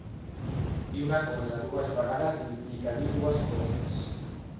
Dir una cosa dues vegades implica dir dues coses.